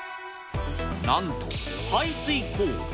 なんと排水溝。